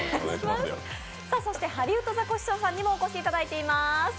そして、ハリウッドザコシショウさんにもお越しいただいております。